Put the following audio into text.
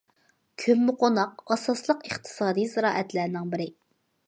كۆممىقوناق ئاساسلىق ئىقتىسادىي زىرائەتلەرنىڭ بىرى.